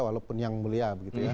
walaupun yang mulia